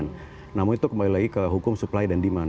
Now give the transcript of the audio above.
namun itu kembali lagi ke hukum supply dan demand